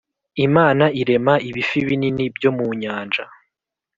Imana irema ibifi binini byo mu Nyanja